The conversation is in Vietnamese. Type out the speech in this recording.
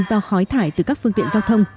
do khói thải từ các phương tiện giao thông